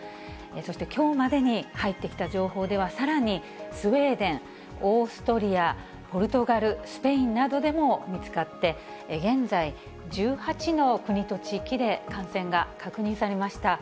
そしてきょうまでに入ってきた情報では、さらにスウェーデン、オーストリア、ポルトガル、スペインなどでも見つかって、現在、１８の国と地域で感染が確認されました。